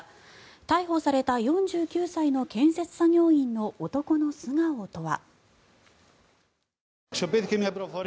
逮捕された４９歳の建設作業員の男の素顔とは。